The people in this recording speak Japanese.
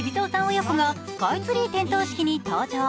親子がスカイツリー点灯式に登場。